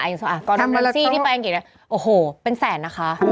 อ่ะกอร์โนมันซี่ที่ไปอังกฤษโอ้โหเป็นแสนนะคะ